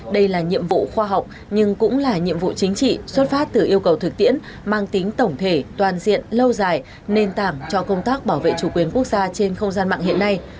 đây là nhiệm vụ khoa học nhưng cũng là nhiệm vụ chính trị xuất phát từ yêu cầu thực tiễn mang tính tổng thể toàn diện lâu dài nền tảng cho công tác bảo vệ chủ quyền quốc gia trên không gian mạng hiện nay